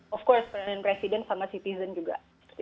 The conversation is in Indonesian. of course penerbangan residen sama citizen juga